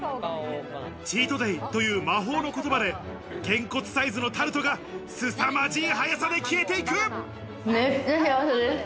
チートデイという魔法の言葉でげんこつサイズのタルトがすさまじい速さで消えていく。